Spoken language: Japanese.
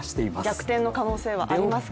逆転の可能性はありますか。